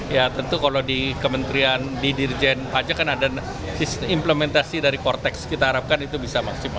ya tentu kalau di kementerian di dirjen pajak kan ada implementasi dari kortex kita harapkan itu bisa maksimal